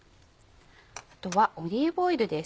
あとはオリーブオイルです。